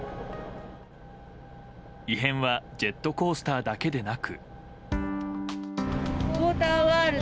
異変はジェットコースターだけでなく。